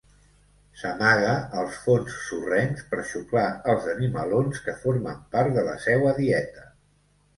S'amaga als fons sorrencs per xuclar els animalons que formen part de la seua dieta.